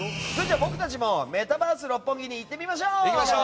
僕たちもメタバース六本木に行ってみましょう！